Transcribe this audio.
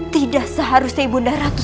tidak seharusnya ibu nda ratu